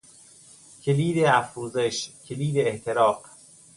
کلید افروزش، کلید احتراق